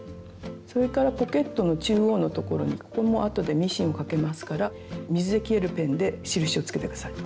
それからポケットの中央のところにここもあとでミシンをかけますから水で消えるペンで印をつけて下さい。